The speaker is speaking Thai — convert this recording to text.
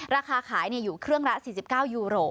ราคาขายอยู่เครื่องละ๔๙ยูโร